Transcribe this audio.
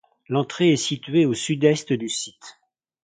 L'entrée est située au sud-est du site.